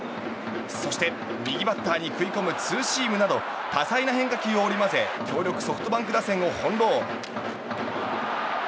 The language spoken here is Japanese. そして右バッターに食い込むツーシームなど多彩な変化球を織り交ぜ強力ソフトバンク打線を翻弄。